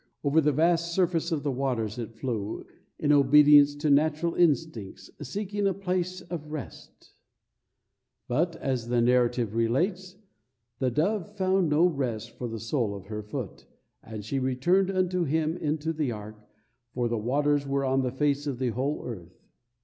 Over the vast surface of the waters it flew, in obedience to natural instincts, seeking a place of rest, but, as the narrative relates, "the dove found no rest for the sole of her foot, and she returned unto him into the ark, for the waters were on the face of the whole earth."